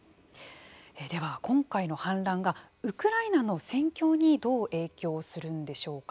では今回の反乱がウクライナの戦況にどう影響するんでしょうか。